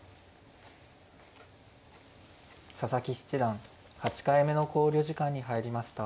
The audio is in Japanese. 佐々木七段８回目の考慮時間に入りました。